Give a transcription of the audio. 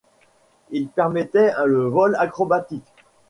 Il permettait le vol acrobatique.